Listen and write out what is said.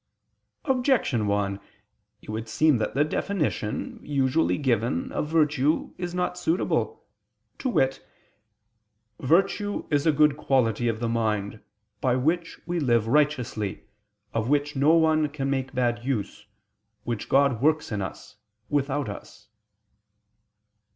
Objection 1: It would seem that the definition, usually given, of virtue, is not suitable, to wit: "Virtue is a good quality of the mind, by which we live righteously, of which no one can make bad use, which God works in us, without us."